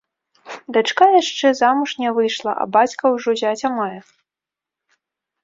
Дачка яшчэ замуж не выйшла, а бацька ўжо зяця мае!